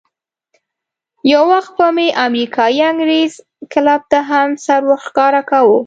یو وخت به مې امریکایي انګرېز کلب ته هم سر ورښکاره کاوه.